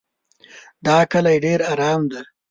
دا کلی ډېر ارام دی.